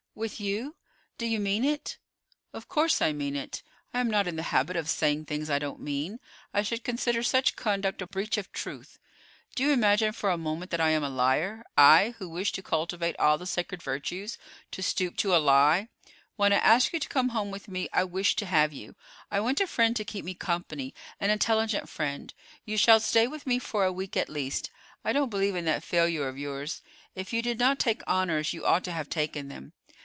"With you? Do you mean it?" "Of course I mean it. I am not in the habit of saying things I don't mean. I should consider such conduct a breach of truth. Do you imagine for a moment that I am a liar; I, who wish to cultivate all the sacred virtues, to stoop to a lie. When I ask you to come home with me, I wish to have you. I want a friend to keep me company, an intelligent friend. You shall stay with me for a week at least. I don't believe in that failure of yours. If you did not take honors, you ought to have taken them.